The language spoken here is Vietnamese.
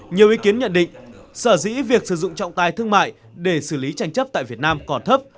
nhiều ý kiến nhận định sở dĩ việc sử dụng trọng tài thương mại để xử lý tranh chấp tại việt nam còn thấp